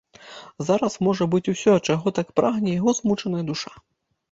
Зараз можа быць усё, чаго так прагне яго змучаная душа.